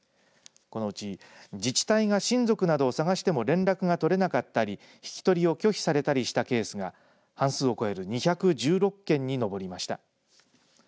このうち自治体が親族などを探しても連絡が取れなかったり引き取りを拒否されたりしたケースが半数を超える２１６件に上りました。